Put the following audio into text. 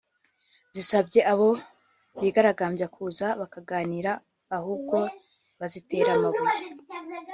zisabye abo bigaragambyaga kuza bakaganira ahubwo bazitera amabuye